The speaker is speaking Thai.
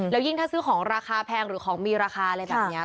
แล้วยิ่งถ้าซื้อของราคาแพงหรือของมีราคาอะไรแบบนี้